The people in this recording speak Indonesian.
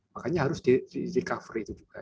makanya harus di recover itu juga